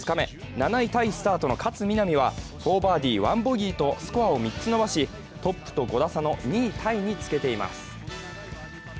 ７位タイスタートの勝みなみは４バーディー・１ボギーとスコアを３つ伸ばし、トップと５打差の２位タイにつけています。